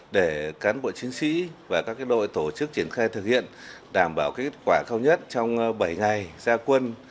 để cán bộ chiến sĩ và các đội tổ chức triển khai thực hiện đảm bảo kết quả cao nhất trong bảy ngày gia quân